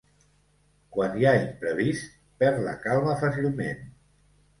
Quan hi ha imprevists, perd la calma fàcilment.